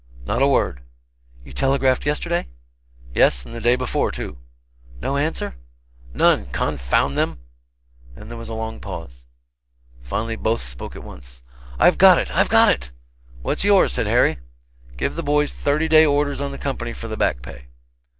"Not a word." "You telegraphed yesterday?" "Yes, and the day before, too." "No answer?" "None confound them!" Then there was a long pause. Finally both spoke at once: "I've got it!" "I've got it!" "What's yours?" said Harry. "Give the boys thirty day orders on the Company for the back pay."